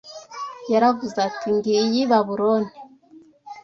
yaravuze ati: Ngiyi Babuloni